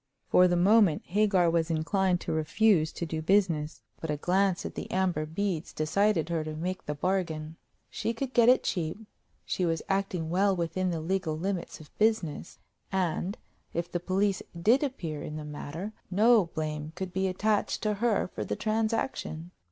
For the moment Hagar was inclined to refuse to do business; but a glance at the amber beads decided her to make the bargain. She could get it cheap; she was acting well within the legal limits of business; and if the police did appear in the matter, no blame could be attached to her for the transaction.